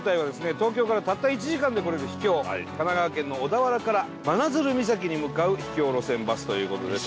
東京からたった１時間で来れる秘境神奈川県の小田原から真鶴岬に向かう秘境路線バスという事です。